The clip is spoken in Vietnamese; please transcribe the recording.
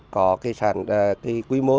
có cái sản quy mô